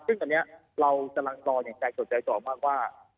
ซึ่งตอนนี้เราจะรางรออย่างใจสดใจซอกมากว่า